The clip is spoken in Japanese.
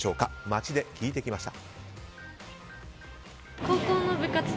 街で聞いてきました。